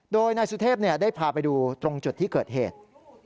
โดยนายสุเทพได้พาไปดูตรงจุดที่เกิดเหตุ